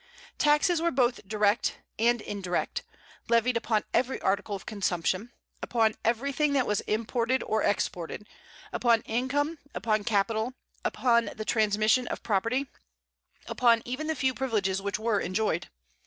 Taxes were both direct and indirect, levied upon every article of consumption, upon everything that was imported or exported, upon income, upon capital, upon the transmission of property, upon even the few privileges which were enjoyed.